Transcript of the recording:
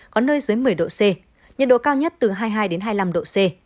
có nơi dưới một mươi độ c nhiệt độ cao nhất từ hai mươi hai đến hai mươi năm độ c